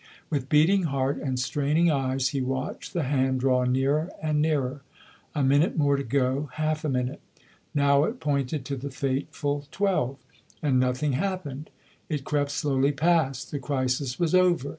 With beating heart and straining eyes he watched the hand draw nearer and nearer. A minute more to go half a minute. Now it pointed to the fateful twelve and nothing happened. It crept slowly past. The crisis was over.